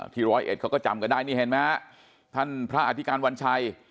ร้อยเอ็ดเขาก็จำกันได้นี่เห็นไหมฮะท่านพระอธิการวัญชัย